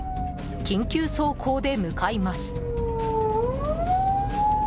緊急走行で向かいます。